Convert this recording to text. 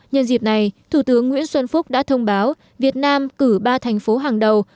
nhân dịp này thủ tướng nguyễn xuân phúc đã thông báo việt nam cử ba thành phố hàng đầu